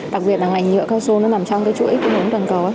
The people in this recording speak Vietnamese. đặc biệt là ngành nhựa cao su nằm trong chuỗi nguồn toàn cầu